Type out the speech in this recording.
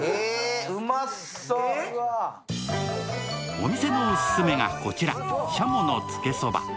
お店のオススメがこちらしゃものつけ蕎麦。